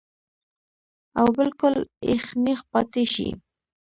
او بالکل اېغ نېغ پاتې شي -